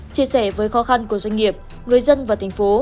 chia sẻ với khó khăn của doanh nghiệp người dân và thành phố